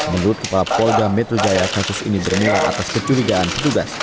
menurut kepala polda metro jaya kasus ini bermula atas kecurigaan petugas